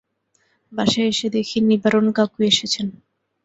বাসায় এসে দেখি নিবারণ কাকু এসেছেন।